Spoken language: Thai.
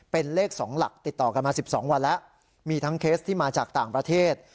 เป็นเลข๒หลักติดต่อกันมา๑๒วันแล้วมีทั้งเคสที่มาจากต่างประเทศ